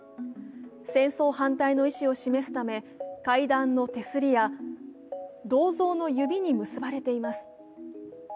戦争反対の意思を示すため、階段の手すりや銅像の指に結ばれています。